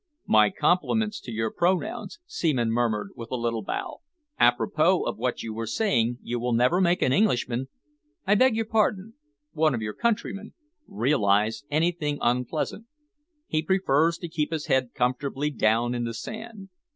"My compliments to your pronouns," Seaman murmured, with a little bow. "Apropos of what you were saying, you will never make an Englishman I beg your pardon, one of your countrymen realise anything unpleasant. He prefers to keep his head comfortably down in the sand.